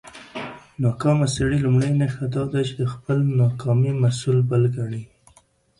د ناکامه سړى لومړۍ نښه دا ده، چې د خپلى ناکامۍ مسول بل کڼې.